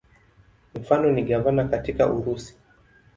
Mfano ni gavana katika Urusi.